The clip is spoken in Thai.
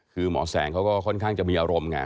คือหมอแสงเขาก็ค่อนข้างจะมีอารมณ์ไง